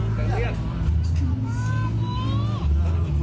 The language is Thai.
ใครเรียกขอบคุณ